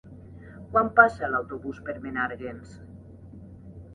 Quan passa l'autobús per Menàrguens?